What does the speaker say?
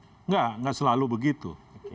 tidak tidak selalu begitu